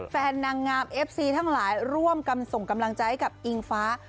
นางงามเอฟซีทั้งหลายร่วมกันส่งกำลังใจให้กับอิงฟ้า